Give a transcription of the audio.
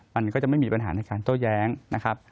มันก็จะไม่มีปัญหาในการโต้แย้งนะครับ